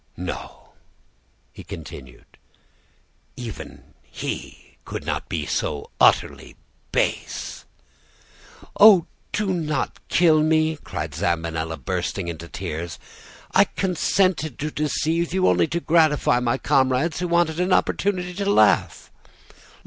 "'No,' he continued, 'even he could not be so utterly base.' "'Oh, do not kill me!' cried Zambinella, bursting into tears. 'I consented to deceive you only to gratify my comrades, who wanted an opportunity to laugh.